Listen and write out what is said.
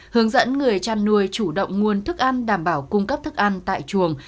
hướng dẫn người chăn nuôi chủ động nguồn thức ăn đảm bảo cung cấp thức ăn tại chuồng